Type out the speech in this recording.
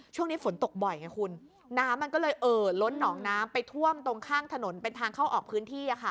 ช่วงนี้ฝนตกบ่อยไงคุณ